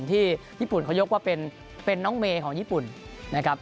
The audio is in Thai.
ที่ญี่ปุ่นเขายกว่าเป็นน้องเมย์ของญี่ปุ่นนะครับ